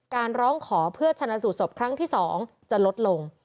ร้องขอเพื่อชนะสูตรศพครั้งที่๒จะลดลง